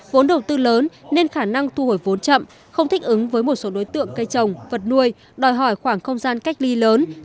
vốn đầu tư lớn nên khả năng thu hồi vốn chậm không thích ứng với một số đối tượng cây trồng vật nuôi đòi hỏi khoảng không gian cách ly lớn